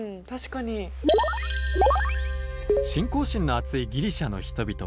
信仰心の厚いギリシャの人々。